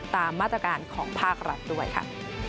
ตามมาตรการของภาครัฐด้วยค่ะ